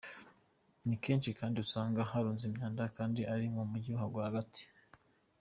Ni kenshi kandi usanga harunze imyanda kandi ari mu mujyi rwagati.